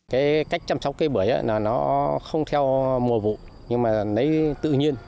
cái cách chăm sóc cây bưởi là nó không theo mùa vụ nhưng mà lấy tự nhiên